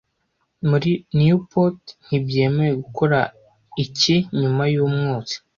Muri Newport ntibyemewe gukora iki nyuma yumwotsi